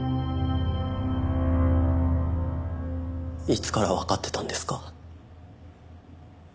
いつからわかってたんですか？